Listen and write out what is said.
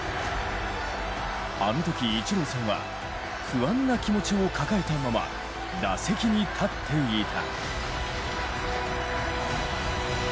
あのときイチローさんは不安な気持ちを抱えたまま打席に立っていた。